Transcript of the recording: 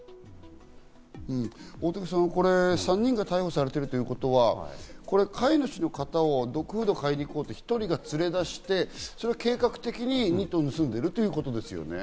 大竹さん、これ３人が逮捕されているということは、飼い主の方をドッグフードを買いに行こうと１人が連れ出して、計画的に２頭を盗んでいるということですね。